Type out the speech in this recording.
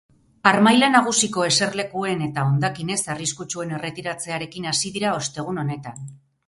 Harmaila nagusiko eserlekuen eta hondakin ez arriskutsuen erretiratzearekin hasi dira ostegun honetan.